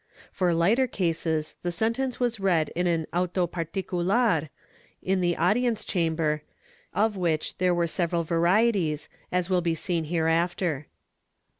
For lighter cases the sentence was read in an auto particular, in the audience chamber, of which there were several varieties, as will be seen hereafter.